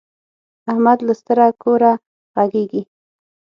احمد له ستره کوره غږيږي.